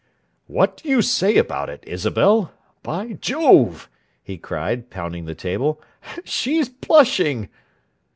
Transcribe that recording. "What do you say about it, Isabel? By Jove!" he cried, pounding the table. "She's blushing!"